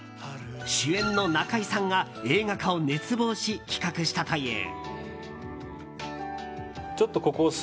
主演の中井さんが映画化を熱望し企画したという。